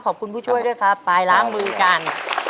ผู้ช่วยด้วยครับไปล้างมือกัน